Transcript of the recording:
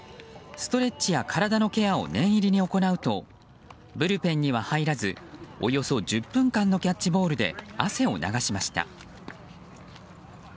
ストレッチや体のケアを念入りに行うとブルペンには入らずおよそ１０分間のキャッチボールで汗を流しました。